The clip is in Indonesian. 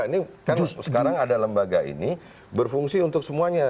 ini kan sekarang ada lembaga ini berfungsi untuk semuanya